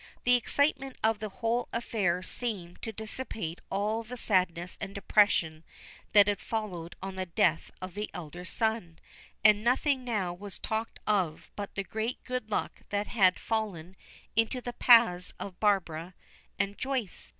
The excitement of the whole affair seemed to dissipate all the sadness and depression that had followed on the death of the elder son, and nothing now was talked of but the great good luck that had fallen into the paths of Barbara and Joyce.